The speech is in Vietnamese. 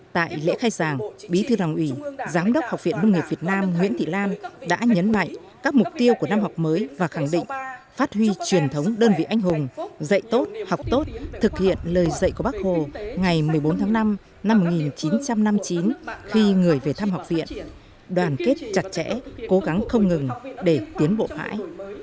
tại lễ khai sàng bí thư rồng ủy giám đốc học viện nông nghiệp việt nam nguyễn thị lan đã nhấn mạnh các mục tiêu của năm học mới và khẳng định phát huy truyền thống đơn vị anh hùng dạy tốt học tốt thực hiện lời dạy của bác hồ ngày một mươi bốn tháng năm năm một nghìn chín trăm năm mươi chín khi người về thăm học viện đoàn kết chặt chẽ cố gắng không ngừng để tiến bộ phải